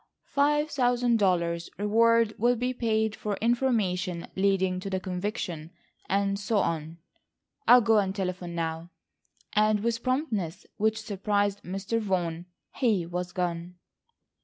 Five thousand dollars reward will be paid for information leading to the conviction—and so on. I'll go and telephone now," and with a promptness which surprised Mr. Vaughan, he was gone.